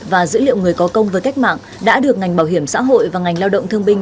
và dữ liệu người có công với cách mạng đã được ngành bảo hiểm xã hội và ngành lao động thương binh